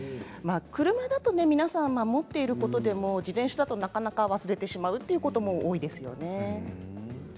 車だと皆様、守っていることでも自転車だとなかなか忘れてしまうということも多いですよね。